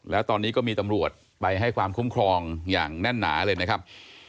แล้วตอนนี้ก็มีตำรวจไปให้ความคุ้มครองอย่างแน่นหนาเลยนะครับ